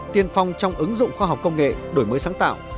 tiên phong trong ứng dụng khoa học công nghệ đổi mới sáng tạo